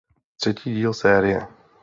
Třetí díl série.